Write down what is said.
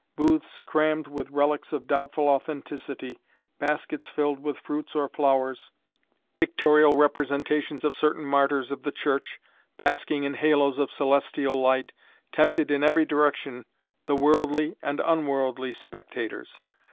Booths crammed with relics of doubtful authenticity, baskets filled with fruits or flowers, pictorial representations of certain martyrs of the Church, basking in haloes of celestial light, tempted in every direction the worldly and unworldly spectators.